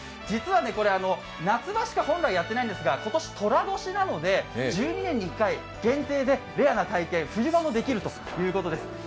実は、夏場しか本来、やっていないんですが今年とら年なので、１２年に１回限定で、レアな体験、冬場もできるということです。